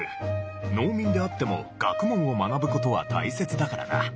農民であっても学問を学ぶことは大切だからな。